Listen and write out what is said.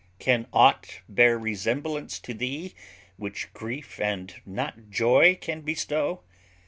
Can aught bear resemblance to thee Which grief and not joy can bestow?